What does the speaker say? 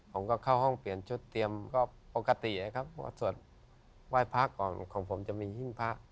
เขาก็เข้าห้องเปลี่ยนชุดเตรียมก็ปกตินะครับว่าสวดไหว้พระก่อนของผมจะมีหิ้งพระ